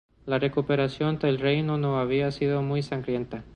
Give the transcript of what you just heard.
La recuperación del reino no había sido muy sangrienta.